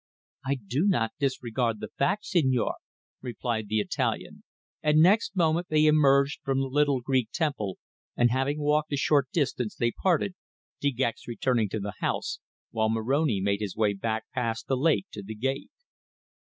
"I do not disregard the fact, signore," replied the Italian, and next moment they emerged from the little Greek temple, and having walked a short distance, they parted, De Gex returning to the house, while Moroni made his way back past the lake to the gate.